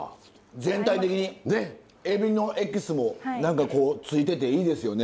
全体的にエビのエキスも何かこうついてていいですよね。